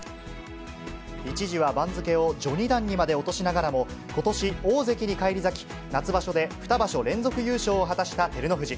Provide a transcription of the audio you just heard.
一時は番付を序二段にまで落としながらも、ことし、大関に返り咲き、夏場所で２場所連続優勝を果たした照ノ富士。